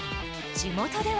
地元では。